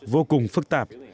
vô cùng phức tạp